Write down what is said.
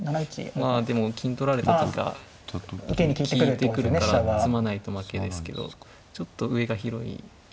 まあでも金取られた手が利いてくるから詰まないと負けですけどちょっと上が広いですかね。